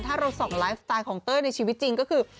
ถ้าเราส่องไลฟ์สไตล์ของเต้ยในชีวิตจริงก็คือ